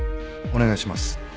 お願いします。